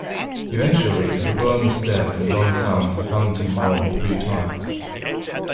Eventually, the worm is dead and John sounds his hunting horn three times.